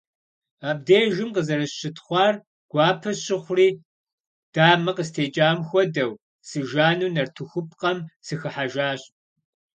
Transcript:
Абдежым къызэрысщытхъуар гуапэ сщыхъури, дамэ къыстекӀам хуэдэу, сыжану, нартыхупкъэм сыхыхьэжащ.